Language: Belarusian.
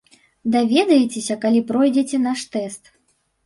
Даведаецеся, калі пройдзеце наш тэст.